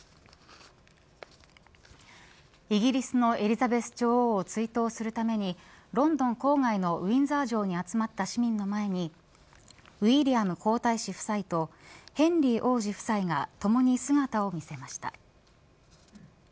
イギリスのエリザベス女王を追悼するためにロンドン郊外のウィンザー城に集まった市民の前にウィリアム皇太子夫妻とヘンリー王子夫妻がともに姿を見せました。